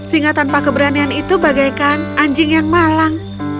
singa tanpa keberanian itu bagaikan anjing yang malang